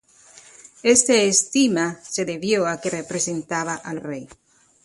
Este estigma se debió a que representaba al rey.